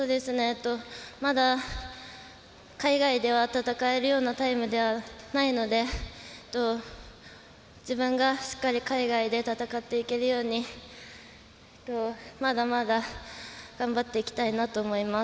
まだ海外では戦えるようなタイムではないので自分がしっかり海外で戦っていけるようにまだまだ頑張っていきたいなと思います。